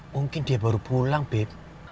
mungkin dia baru pulang bebe